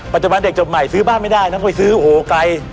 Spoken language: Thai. ปัจจุบันเด็กจบใหม่ซื้อบ้านไม่ได้นะไปซื้อโหไกล